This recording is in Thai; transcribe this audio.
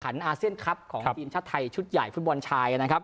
ขันอาร์เซียนครับของทีมชาติไทยชุดใหญ่ผู้บอลชาย